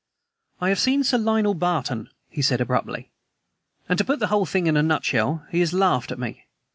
"I have seen Sir Lionel Barton," he said abruptly; "and, to put the whole thing in a nutshell, he has laughed at me!